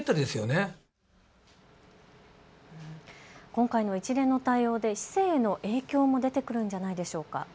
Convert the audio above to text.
今回の一連の対応で市政への影響も出てくるんじゃないでしょうか。